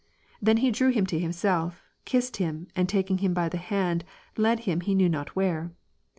Then he drew him to himself, kissed him, and taking him by the hand led him he knew not where.